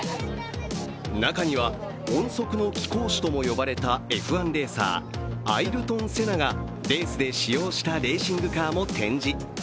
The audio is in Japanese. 中には、音速の貴公子とも呼ばれたＦ１レーサー・アイルトン・セナがレースで使用したレーシングカーも展示。